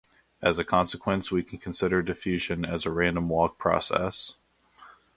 As a consequence we can consider diffusion as a random walk process.